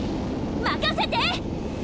任せて！